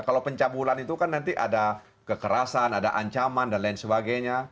kalau pencabulan itu kan nanti ada kekerasan ada ancaman dan lain sebagainya